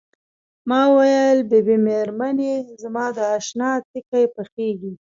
ما وویل بي بي مېرمنې زما د اشنا تیکې پخیږي.